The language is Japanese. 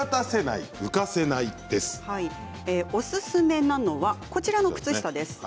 おすすめなのがこちらの靴下です。